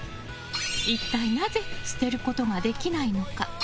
一体なぜ捨てることができないのか。